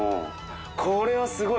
これはすごい。